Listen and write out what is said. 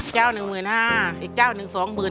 เจ้าหนึ่งหมื่นห้าอีกเจ้าหนึ่งสองหมื่น